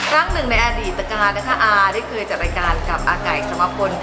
สักนึงในอดีตกาลนะคะอ่าได้เคยจัดรายการกับอาไก่สมพล